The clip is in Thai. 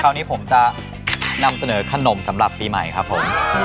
คราวนี้ผมจะนำเสนอขนมสำหรับปีใหม่ครับผม